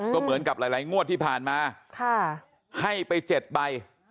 ก็เหมือนกับหลายงวดที่ผ่านมาให้ไป๗ใบ